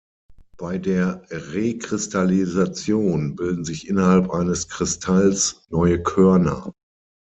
Bei der Rekristallisation bilden sich innerhalb eines Kristalls neue Körner.